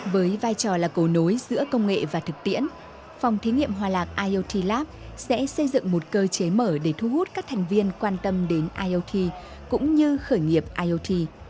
với vai trò là cầu nối giữa công nghệ và thực tiễn phòng thí nghiệm hòa lạc iot lap sẽ xây dựng một cơ chế mở để thu hút các thành viên quan tâm đến iot cũng như khởi nghiệp iot